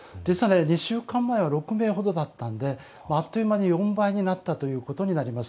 ２週間前は６名ほどだったんであっという間に４倍になったということになります。